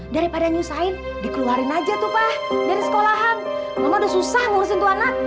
daripada nyusain dikeluarin aja tuh pak dari sekolahan mama udah susah ngurusin tuh anak